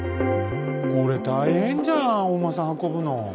これ大変じゃんお馬さん運ぶの。